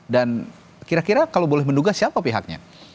dan kira kira kalau boleh menduga siapa pihaknya